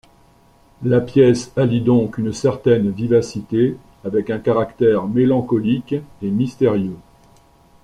La pièce allie donc une certaine vivacité avec un caractère mélancolique et mystérieux.